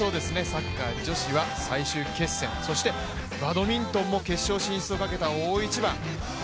サッカー女子は最終決戦、そしてバドミントンも決勝進出をかけた大一番。